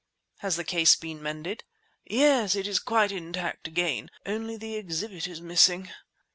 "Has the case been mended?" "Yes; it is quite intact again; only the exhibit is missing."